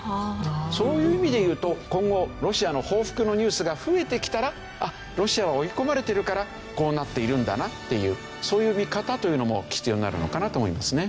そういう意味でいうと今後ロシアの報復のニュースが増えてきたらロシアは追い込まれてるからこうなっているんだなっていうそういう見方というのも必要になるのかなと思いますね。